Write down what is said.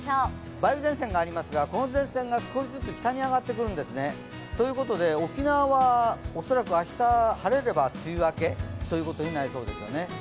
梅雨前線がありますがこの前線が少しずつ北に上がってくるんですね。ということで沖縄は恐らく明日、晴れれば梅雨明けということになりそうですよね。